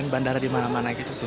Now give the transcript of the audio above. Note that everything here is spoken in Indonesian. bandara di mana mana gitu sih